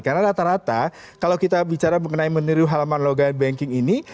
karena rata rata kalau kita bicara mengenai meniru halaman logai banking ini